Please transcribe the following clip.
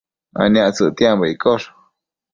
aniactsëc ictiambo iccosh